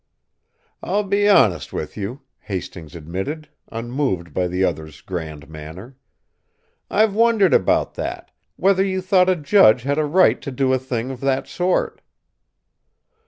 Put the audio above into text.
"I'll be honest with you," Hastings admitted, unmoved by the other's grand manner. "I've wondered about that whether you thought a judge had a right to do a thing of that sort."